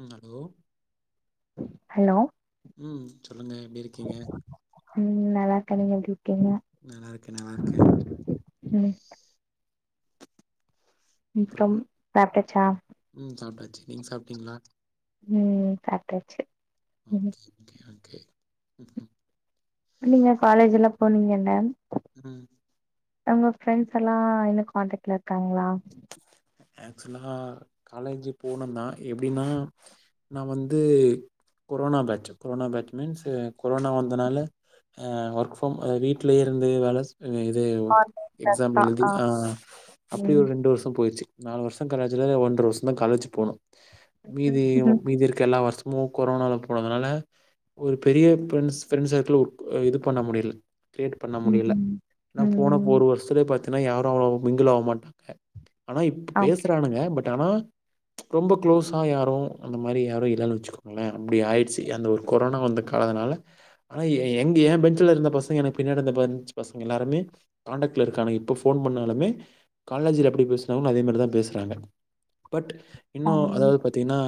ம் hello hello ம் சொல்லுங்க எப்டி இருக்கீங்க ம் நல்லா இருக்க நீங்க எப்டி இருக்கீங்க நல்லா இருக்க நல்லா இருக்க ம் அப்புறோ அப்றம் சப்டாச்சா ம் சாப்ட்டாச்சு நீங்க சாப்ட்டீங்ளா ம் சாப்டாச்சு ம் ஓகே ஓகே ஓகே ம் ம் இல்லைங்க காலேஜ் எல்லா போனீங்க இல்ல [unintelligible] உங்க ஃப்ரெண்ட்ஸ் எல்லா இன்னு கான்ட்டெக்ட்ல இருக்காங்ளா ஆக்சுவலா காலேஜு போனந்தா எப்டின்னா நா வந்து corona batch corona batch means corona வந்தனால அ ஒர்க் ஃப்ரம் அ வீட்லயே இருந்து வேலஸ் அ இது கான்டாக்ட்ல எக்ஸா இருக்கா எழுதி ஆ அப்படி ஒரு ம் ரெண்டு வருஷோ போயிருச்சு நாலு வருஷோ காலேஜ்ல ஒன்ற வருஷோ தா காலேஜ் போணோ மீதி மீதி இருக்க எல்லா வருஷ் மு கொரோனால போனதுனால ஒரு பெரிய பிரின்ஸ் ஃப்ரெண்ட் சர்கள அ இது பண்ண முடியல கிரியேட் பண்ண ம் ம் முடில ஏனா ம் போனப்ப ம் ஒரு வருஷத்லே பாத்தீன்னா யாரு அவ்ளோ மிங்கிள் ஆவ மாட்டாங்க ஆனா இப்ப பேசறானுங்க பட் ஆனா ரொம்ப க்ளோஸா யாரு அந்த மாரி யாரு இல்லன்னு வச்சுக்கோ ங்ள அப்டி ஆயிடுச்சு அந்த ஒரு கொரோனா வந்து காலதுனால ஆனா எ எ எங்க ஏ பெஞ்ச்ல இருந்த பசங்க எனக்கு பின்னாடிந்த பெஞ்ச் பசங்க எல்லாருமே காண்டக்ட்ல இருக்காங்க இப்ப ஃபோன் பண்ணாலுமே காலேஜ்ல எப்படி பேச [unintelligible] அதே மாரிதா பேசுறாங்க பட் இன்னு அப்றம் அதாவது பாத்தீன்னா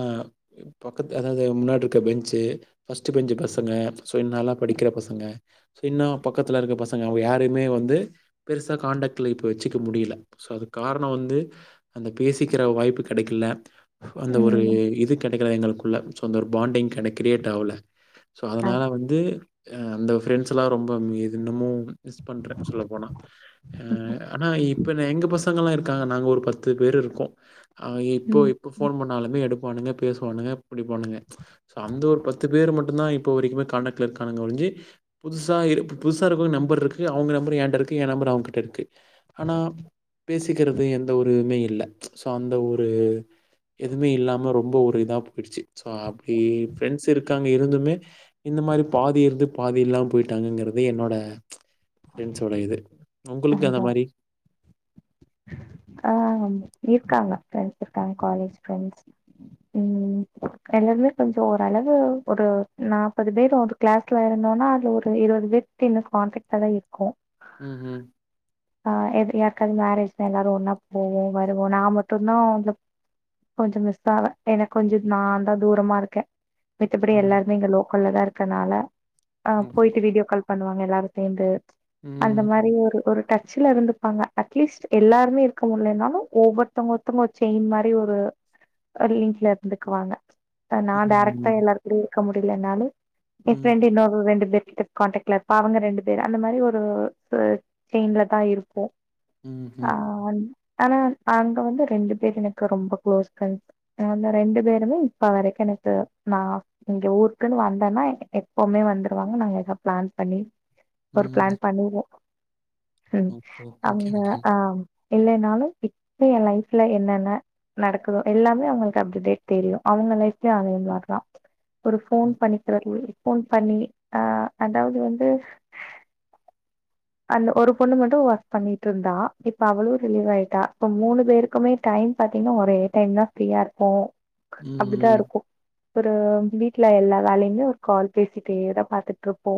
எ பக்கத்து அதாவது எ முன்னாட்ருக்க பெஞ்ச்சு ஃபஸ்ட்டு பெஞ்சு பசங்க சோ இன் நல்லா படிக்கிற பசங்க சோ இன்னு பக்கத்துல இருக்க பசங்க அவுங்க யாரயுமே வந்து பெருசா காண்டக்ட்ல இப்ப வச்சுக்க முடியல சோ அது கார ணோ வந்து அந்த பேசிக்கற வாய்ப்பு கெடைக்கல அந்த ஒரு ம் இது கெ கெடைக்கல எங்களுக்குள்ள சோ அந்த ஒரு பாண்டிங்கன கிரியேட் ஆவல சோ ஆ அதனால வந்து ஏ அந்த ஃப்ரெண்ட்ஸ் எல்லா ரொம்ப இன்னமு மிஸ் பண்றே சொல்லப் போனா ஆ ஆனா இப்ப எங்க பசங்கல்லா இருக்காங்க நாங்க ஒரு பத்து பேரு இருக்கோ ஆ இப்போ ம் இப்ப ஃபோன் பண்ணாலுமே எடுப்பானுங்க பேசுவானுங்க பிடிப்பானுங்க சோ அந்த ஒரு பத்து பேர் மட் டுந்தா இப்ப வரைக்குமே காண்டாக்ல இருக்கானுங்க ஒழிஞ்சி புதுசா இரு புதுசா இருக்கவங்க நம்பர் இருக்கு அவங்க நம்பர் ஏன்ட இருக்கு ஏ நம்பர் அவுங்ககிட்ட இருக்கு ஆனா திக்கிறது எந்த ஒரு மே இல்ல சோ அந்த ஒரு எதுமே இல்லாம ரொம்ப ஒரு இதா போயிடுச்சு சோ அப்டி ஃப்ரெண்ட்ஸ் இருக்காங்க இருந்துமே இந்த மாரி பாதி இருந்து பாதி இல்லாம போயிட்டாங்கங்குறது என்னோட ஃப்ரெண்ட்ஸோட இது ஒங்களுக்கு அந்த அதா மாரி ஆ இருக்காங்க ஃப்ரெண்ட்ஸ் இருக்காங்க காலேஜ் ஃப்ரெண்ட்ஸ் ம் எல்லாருமே கொஞ்ச ஓரளவு ஒரு நாப்பது பேர் வரு கிளாஸ்ல இருந்தோனா அதுல ஒரு இருவது பேர்ட்ட இன்னு காண்ட்டக்ட்ல தா இருக்கோ ம் ம் ஆ எது யார்காவது மேரேஜ்னா எல்லாரு ஒன்னா போவோ வருவோ நா மட்டுந்தா வந்து கொஞ்ச மிஸ் ஆவே ஏன்னா கொஞ்ச நாந்தா தூரமா இருக்கே மித்தபடி ம். எல்லாருமே இங்க லோக்கல்ல தா இருக்கனால ஆ ஓஹோ! போய்ட்டு வீடியோ கால் பண்ணுவாங்க எல்லாரு சேந்து அந்த ம். மாரி ஒரு ஒரு டச்ல இருந்துப்பாங்க அட்லீஸ்ட் எல்லாருமே இருக்க முடிலனாலு ஒவ்வொருத்தவங்க ஒருதங்க ஒரு செயின் மாரி ஒரு ஒரு லிங்க்ல இருந்துக்குவாங்க நா டேரக்டா ம். எல்லார் கூடயு இருக்க முடியலனாலு ஏ ம். ஃப்ரெண்ட் இன்னொரு ரெண்டு பேர் கிட்ட கான்டக்ட்ல இருப்பே அவங்க ரெண்டு பேர் அந்த மாரி ஒரு ஒரு செயின்ல தா இருப்போ ஆ ம்ஹ்ம். ஆனா அங்க வந்து ரெண்டு பேர் எனக்கு ரொம்ப குளோஸ் ஃப்ரெண்ட்ஸ் ஆ அந்த ரெண்டு பேருமே இப்ப வரைக்கு எனக்கு நா எங்க ஊருக்குன்னு வந்தோன்னா எப்போமே வந்துருவாங்க நாங்க ஏதா பிளான் பண்ணி ஒரு ம். பிளான் பண்ணிருவோ ம் ஓஹோ! ஓகே, அவுங்க ஓகே. ஆ இல்லைனாலு இப்ப ஏ லைஃப்ல என்னென்ன நடக்குதோ எல்லாமே அவுங்களுக்கு அப்டுடேட் தெரியு அவுங்க லைஃப்லயு அதேமாரிதா ஒரு ஃபோன் ம். பண்ணிகிறது ஃபோன் பண்ணி ஆ அதாவது வந்து அந்த ஒரு பொண்ணு மட்டு வொர்க் பண்ணிகிட்டு இருந்தா இப்ப அவளு ரிலீவ் ஆயிட்டா இப்ப மூணு பேருக்குமே டைம் பாத்தீங்கன்னா ஒரே டயம் தா ஃப்ரீயா இருபோ ம். அப்டிதா ம். இருக்கு ஒரு வீட்ல எல்லா வேலையுமே ஒரு கால் பேசிட்டே தா பாத்துட்ருப்போ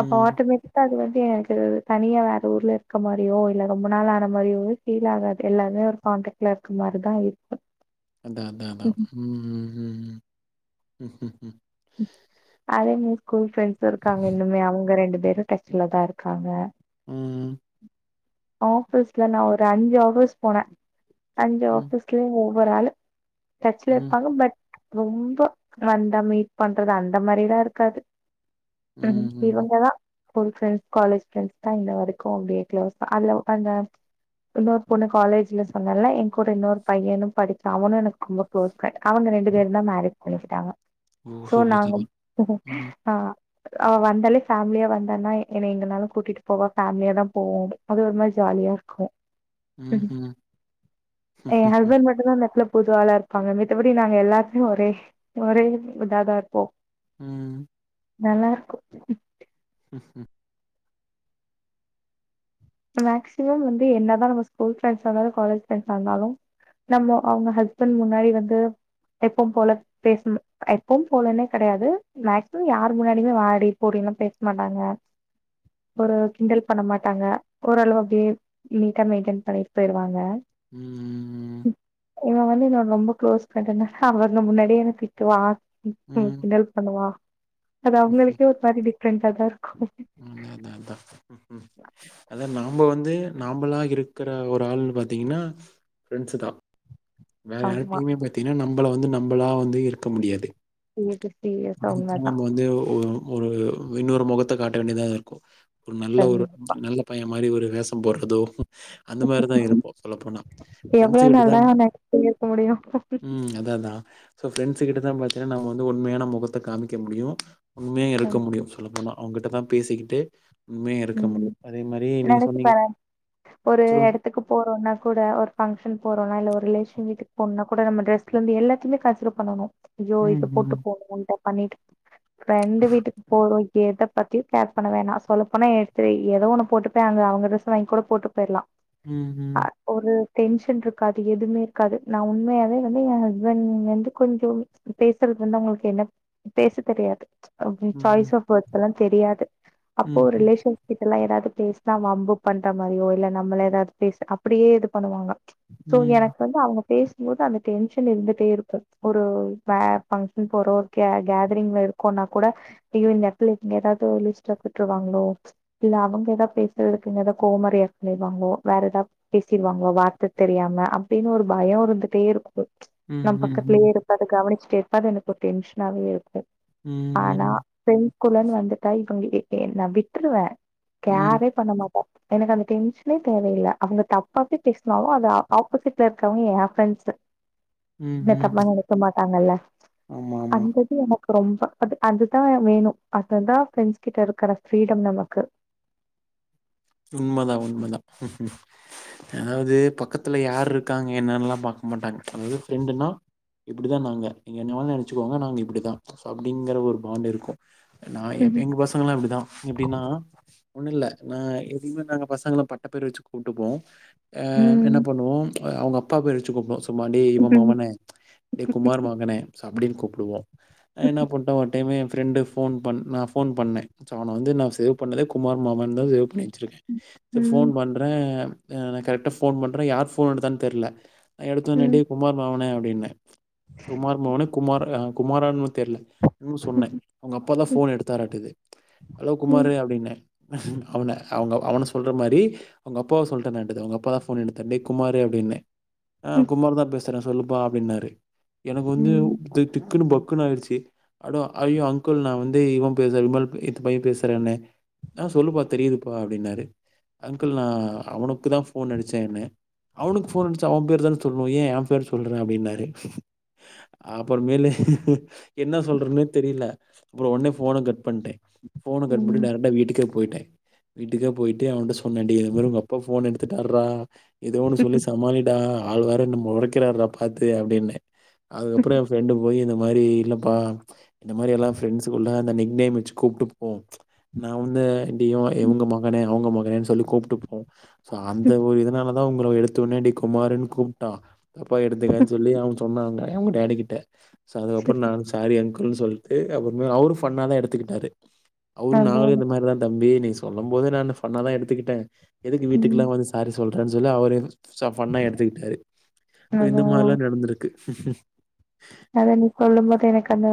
அப்ப ஆட்டமேட்டிக்கா அது வந்து இது தனியா வேற ஊர்ல இருக்க மாரியோ இல்ல ரொம்ப நாள் ஆன மாரியோ ஃபீல் ஆகாது எல்லாமே ஒரு கான்டக்ட்ல இருக்க மாரிதா இருக்கு அதா அதா அதா ம் ம் ம் ம் அதே மாரி ஸ்கூல் ஃப்ரெண்ட்ஸ் இருக்காங்க இன்னுமே அவுங்க ரெண்டு பேரு டச்ல தா இருக்காங்க ம் ஆபீஸ்ல நா ஒரு அஞ்சி ஆபீஸ் போனே அஞ்சி ம். ஆபீஸ்லயு ஒவ்வொரு ஆளு டச்ல ம். இருப்பாங்க பட் ரொம்ப வந்தா மீட் பண்றது அந்த மாரிலா இருக்காது ம் இவங்கதா ஸ்கூல் ஃப்ரெண்ட்ஸ் காலேஜ் ஃப்ரெண்ட்ஸ்தா இன்ன வரைக்கு அப்டியே க்ளோஸ் அவ்ளோ அந்த இன்னொரு பொண்ணு காலேஜ்ல சொன்னேல ஏ கூட இன்னொரு பையனு படிச்சா அவனு எனக்கு க்ளோ குளோஸ் ஃப்ரெண்ட் அவுங்க ரெண்டு பேருந்தா மேரேஜ் பண்ணிக்கிட்டாங்க ஓ! ஸோ சூப்பர், நாங்க சூப்பர். ம். ஆ அவ வந்தாலே ஃபேமிலியா வந்தான்னா என்ன எங்கனாலு கூட்டிட்டு போவா ஃபேமிலியாதா போவோ அது ஒரு மாரி ஜாலியா இருக்கு ம்ஹூ இதுல நெட்ல புது ஆளா இருப்பாங்க மித்தபடி நாங்க எல்லாத்திலியும் ஒரே ஒரே இ இதாதா இருப்போ ம் நல்லா இருக்கோ ம்ஹூ மேக்சிமம் வந்து என்னதா நம்ம ஸ்கூல் ஃப்ரண்ட்ஸா இருந்தாலு காலேஜ் ஃப்ரண்ட்ஸா இருந்தாலு நம்ம அவங்க ஹஸ்பண்ட் முன்னாடி வந்து எப்போ போல பேசுங்க எப்பவும் போலனே கெடையாது மேக்சிமம் யார் முன்னாடியுமே வாடி போடின்னுலா பேச மாட்டாங்க ஒரு கிண்டல் பண்ண மாட்டாங்க ஓரளவுக்கு நீட்டா மெயின்டெய்ன் பண்ணிட்டு போயிருவாங்க ம் இவே வந்து என்னொட ரொம்ப க்ளோஸ் ஃப்ரெண்ட்டுனால அவங்க முன்னாடியே என்ன திட்டுவா ம் ம் கிண்டல் பண்ணுவா அது அவுங்களுக்கே ஒரு மாரி டிஃப்ரெண்டா தா இருக்கு ம் அதா அதா ம் ம் அது அதா நாம்ப வந்து நாம்பலா இருக்குற ஒரு ஆள்ன்னு பாத்தீங்கன்னா ஃப்ரெண்ட்ஸுதா வேற ஆமா. யார்டையுமே பாத்தீங்கன்னா நம்பள வந்து நம்பளா வந்து இருக்க முடியாது இது சீரியஸா நம்ம வந்து ஒ ஒ ஒரு இன்னொரு மொகத்த காட்ட வேண்டியதா இருக்கோ ஒரு நல்ல ஒரு உண்மதான். நல்ல பையன் மாரி ஒரு வேஷோ போடறதோ அந்த மாரிதா இருப்போ சொல்லப்போனா எவ்ளோ ஃப்ரண்ட்ஸு நாள் கிட்டலா தான் நெனச்சிட்டே இருக்க முடியும் ம் அதா அதா சோ ஃப்ரெண்ட்ஸு கிட்டதா பாத்தீன்னா நாம்ம வந்து உண்மையான மொகத்த காமிக்க முடியும் உண்மையா இருக்க முடியும் சொல்ல போனா அவங்கிட்ட தா பேசிக்கிட்டு உண்மையா இருக்க ம் முடியும் அதே மாரி நீங்க நெனச்சு சொன்னீங்க சொல்லுங் போறோன்னா கூட ஒரு ஃபங்க்ஷன் போறோன்னா இல்ல ஒரு ரிலேஷன் வீட்டுக்கு போனுன்னா கூட நம்ம டிரஸ்ல இருந்து எல்லாத்தையுமே கன்சிடர் பண்ணணு அய்யோ இத போட்டு ம்ஹ்ம். போகணுட்ட பண்ணிட்டு ஃப்ரெண்டு வீட்டுக்கு போறோ எத பத்தியு கேர் பண்ண வேணா சொல்ல போனா எடுத்து எதோ ஒண்ணு போட்டுபே அங்க அவங்க ட்ரெஸ் வாங்கி கூட போட்டு போயிறலா ம் ம் ஒரு டென்ஷன் இருக்காது எதுவுமே இருக்காது நா உண்மையாவே வந்து என் ஹஸ்பண்ட் வந்து கொஞ்சோ பேசறது வந்து அவங்களுக்கு என்ன பேச தெரியாது ம்ஹ்ம். சாய்ஸ் ஆஃப் ஒர்த்துலா தெரியாது ஓ ம்ஹ்ம். ரிலேஷன் கிட்டல்லா எதாவது பேசனா வம்பு பண்ற மாரியோ இல்ல நம்மள எதாவது பேச அப்டியே இது பண்ணுவாங்க சோ ம். எனக்கு வந்து அவங்க பேசும்போது அந்த டென்ஷன் இருந்துட்டே இருக்கு ஒரு வே ஃபங்ஷன் போறோ கே கேதரிங்ல இரு க்கோனா கூட ஐயோ இந்த எடத்துல இங்க யாராவது ஒரு லூஸ் டாக் விட்ருவாங்களோ இல்ல அவங்க எதா பேசறதுக்கு இவங்க எதா கோவமா ரியாக்ட் பண்ணிருவாங்களோ வேற எதா பேசிருவாங்களோ வார்த்த தெரியாம அப்டின்னு ஒரு பயோ இருந்துட்டே இருக்கோ நம் ம்ஹ்ம். ம். பக்கத்துலயே இருக்காரு கவனிச்சிட்டே இருப்பாரு எனக்கு ஒரு டென்ஷனாவே இருக்கு ஆனா ம். ஃப்ரண்ட்ஸ் குள்ளன்னு வந்துட்டா இவங்க எ எ நா விட்டுருவ ம். ம். கேர்ரே பண்ண மாட் ட எனக்கு அந்த டென்ஷனே தேவயில்ல அவங்க தப்பாவே பேசனாலு அது ஆ ஆப்போசிட்ல இருக்கவங்க என் ஃப்ரெண்ட்ஸு என்ன தப்பா ம்ஹ்ம். நெனைக்க மாட்டாங்க இல்ல ஆமாமா. அந்த இது எனக் கு ரொம்ப அது அதுதா வேணு அததா ஃப்ரெண்ட்ஸ் கிட்ட இருக்கற ஃப்ரீடம் நமக்கு உண்மதா உண்மதா அதாவது பக்கத்துல யாரு இருக்காங்க என்னான்னுல்லா பாக்க மாட்டாங்க அதாவது ஃப்ரெண்டுன்னா இப்டி தா நாங்க நீங்க என்ன வேணா நெனைச்சிக்கோங்க நாங்க இப்டிதா சோ அப்டிங்கிற ஒரு பாண்டு இருக்கும் நா எ ம் எங்க பசங்கல்லா அப்டிதா எப்டின்னா ஒண்ணுல்ல நா எ இன்னு நாங்க பசங்கள்லா பட்ட பேர் வெச்சி கூப்டுப்போ ஆ என்ன ம் பண்ணுவோம் ஆ அவுங்க அப்பா பேர் வெச்சி கூப்டுவோ சும்மா டேய் இவே ம் மவனே டேய் குமார் மகனே அப்டின்னு கூப்டுவோ அ என்ன பண்ணிட்டோ ஒரு டைமு எயே ஃப்ரெண்ட்டு ஃபோன் பண் நா ஃபோன் பண்ணே சோ அவன வந்து சேவ் பண்ணதே குமார் மாமான்னு தா சேவ் பண்ணி வெச்சிருக்கே சேர் ஃபோன் ம் பண்றே அ நா கரெக்டா ஃபோன் பண்றே யார் ஃபோன் எடுத்தான்னு தெர்ல நா எடுத்த ஒன்னே ம் டேய் குமார் மவனே அப்டின்னே குமார் மவனே குமார் ஆ குமாரான்னு தெர்ல இன்னு ம் சொன்னே அவுங்க அப்பா தா ஃபோன் எடுத்தாரட்டுகுது ஹலோ ம் குமாரு அப்டின்னே அவனா அவுங்க அவனா சொல்லற மாரி அவுங்க அப்பாவ சொல்டனாட்டுது அவுங்க அப்பா தா ஃபோன எடுத்தாரு டேய் குமாரு அப்டின்னே ஆ குமாருத பேசுறே சொல்லுப்பா அப்டின்னாரு எனக்கு வந்து ம் திக் திக்குனு பக்குனு ஆயிடுச்சி அடோ ஐயோ அங்குள் நா வந்து இவே பேச விமல் இத்துபாய் பேசுறன்ன ஆ சொல்லுப்பா தெரியிதுப்பா அப்டின்னாரு அங்கள் நா அவனுக்கு தா ஃபோன் அடிச்சேன்னு அவனுக்கு ஃபோன் அடிச்சா அவன் பேரு தான சொல்லனும் ஏன் என் பேரு சொல்ற அப்டின்னாரு அப்புறமேலு என்ன சொல்றதுன்னே தெரில அப்புறம் ஒடனே ஃபோன கட் பண்ட்டேன் ஃபோன ம் கட்பண்ணிட்டு ம் டேரக்ட்டா வீட்டுக்கே போய்ட்டே வீட்டுக்கே போயிட்டு அவன்ட்ட சொன்ன டேய் இது மாரி உங்க அப்பா ஃபோன் எடுத்துட்டாறா எதோ ஒன்னு சொல்லி சமாளிடா அவரு வேற என்ன மொறைக்கிறாருடா பாத்து அப்டின்ன அதுக்கப்புறோ எயே ஃப்ரெண்டு போயி இந்த மாரி இல்லப்பா இந்த மாரி எல்லா ஃப்ரெண்ட்ஸ்குள்ள அந்த நிக் நேம் வெச்சி கூப்டுப்போ நா வந்து இவ இவுங்க மகனே அவுங்க மகனே சொல்லி கூப்டுப்போ சோ அந்த ஒரு இதனால அதா உங்கள எடுத்த ஒன்னே டேய் குமாருன்னு கூப்டா தப்பா எடுத்துக்காத சொல்லி அவே சொன்னா அவங்க டேடி கிட்ட சோ அதுக்கப்றோ நான் சாரி அங்கிள்னு சொல்டு அப்றமா அவுரு ஃபன் தா எடுத்துக்கிட்டரு அவுரு அதாதா நாங்களு இந்த மாரி தான் தம்பி நீ சொல்லும் போது நானு ஃபன்னா தா எடுத்துக்கிட்டே எதுக்கு ம் வீட்டுக்கெல்லா வந்து சாரி சொல்றேன்னு சொல்லி அவரு சோ ஃபன்னா எடுத்துக்கிட்டாரு சோ இந்த அதாதா மாரில்லா நடந்திருக்கு அதா நீ சொல்லும்போது எனக்கு அந்த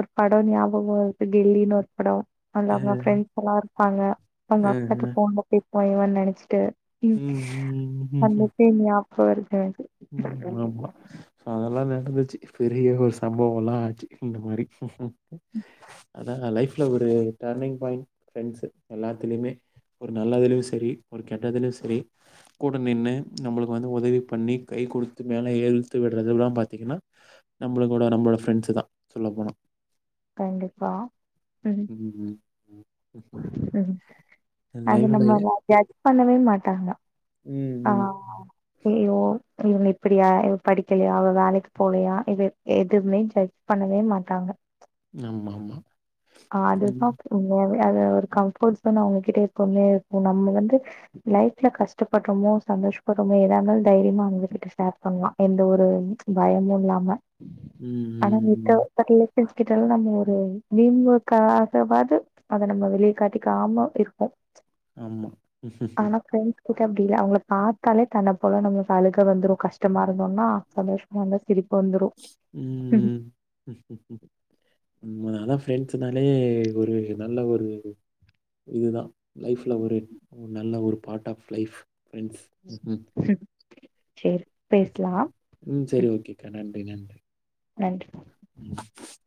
ஒரு படோ ஞாபகோ வருது கில்லின்னு ஒரு படோ அதுல அ, அவுங்க ஃப்ரெண்ட்ஸ்லா இருப்பாங்க அவுங்க அ, அ. அப்பாட்ட ஃபோன்ல பேசுவா இவன் நெனைச்சிட்டு ம் அந்த ம் பேர் ஞாபகோ வருது எனக்கு ம் ஆமா சோ அதெல்லா நடந்துச்சி பெரிய ஒரு சம்பவோ எல்லா ஆச்சி இந்த மாரி அதாங்க லைஃப்ல ஒரு டர்னிங் பாயிண்ட் ஃப்ரெண்ட்ஸ் எல்லாத்துலையுமே ஒரு நல்லதுலயு செரி ஒரு கெட்டதலயு செரி கூட நின்னு நம்மளுக்கு வந்து உதவி பண்ணி கை குடுத்து மேல ஏத்தி விட்றதெல்லா பாத்தீங்கன்னா நம்மள கூட நம்மளோட ஃப்ரெண்ட்ஸ் தா சொல்ல போனா கண்டிப்பா ம் ம் என் லைஃபில் உண்ம லா ஜர்ஜ் பண்ணவே மாட்டாங்க ம் ஆ ம். ஐயோ இவங்க இப்புடியா இவ படிக்கலையா அவ வேலைக்கு போகலையா இத எதுவுமே ஜட் பண்ணவே மாட்டாங்க ஆமா ஆமா அதுதா உண்மையாவே அத ஒரு கம்போர்ட் ஜோன் அவுங்ககிட்ட எப்பவுமே இருக்கு நம்ம வந்து லைஃப்ல கஷ்டப்பட்றோமோ சந்தோஷப்பட்றமோ எதா இருந்தாலு தைரியமா அவுங்க கிட்ட ஷேர் பண்ணலா எந்த ஒரு பயமு இல்லாம ம் ம் நம்ம ச ம். [unintelligible] ஃப்ரெண்ட்ஸ் கிட்டெல்லா நம்ம ஒரு திடீர்னு ஒர் காகவாது அத நம்ம வெளியே காட்டிக்காம இருக்கபோ ஆமா. ஆனா ஃப்ரெண்ட்ஸ் ட்டு அப்டில்ல அவுங்கள பாத்தாலே தன்ன போல நம்ம அழுக வந்துரு கஷ்டமா இருந்தோம்னா சந்தோஷமா இருந்தா சிரிப் ம் அதா ஃப்ரெண்ட்ஸுன்னாலே ஒரு நல்ல ஒரு இது தா லைஃப்ல ஒரு நல்ல ஒரு பார்ட் ஆஃப் லைஃப் ஃப்ரெண்ட்ஸ் ம்ஹ்ம். சேரி பேசலா ம் சேரி ஓகேக்கா நன்றி நன்றி நன்றி உம்